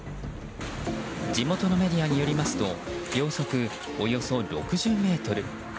地元のメディアによりますと秒速およそ６０メートル。